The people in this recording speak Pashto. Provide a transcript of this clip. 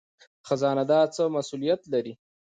خزانه دار څه مسوولیت لري؟